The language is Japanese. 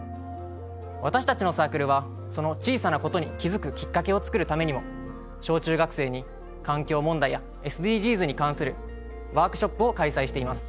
私たちのサークルはその小さなことに気付くきっかけを作るためにも小中学生に環境問題やＳＤＧｓに関するワークショップを開催しています。